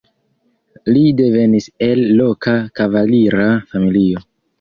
Li devenis el loka kavalira familio.